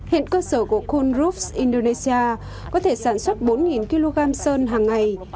hiện cơ sở của cool roofs indonesia có thể sản xuất bốn kg sơn hằng ngày